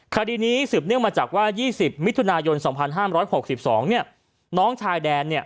คดีนี้สืบเนื่องมาจากว่า๒๐มิถุนายน๒๕๖๒เนี่ยน้องชายแดนเนี่ย